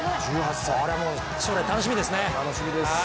これはもう将来楽しみですね。